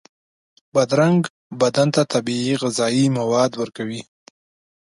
بادرنګ بدن ته طبیعي غذایي مواد ورکوي.